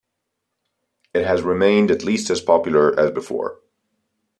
It has remained at least as popular as before.